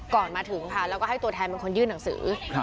ก่อนมาถึงค่ะแล้วก็ให้ตัวแทนเป็นคนยื่นหนังสือ